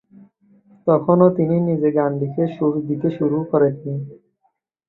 তখনও তিনি নিজে গান লিখে সুর দিতে শুরু করেননি।